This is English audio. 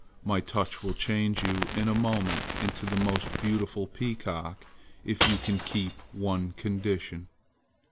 My touch will change you in a moment into the most beautiful peacock if you can keep one condition."